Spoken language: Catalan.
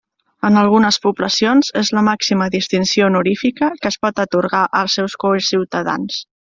En algunes poblacions, és la màxima distinció honorífica que es pot atorgar als seus conciutadans.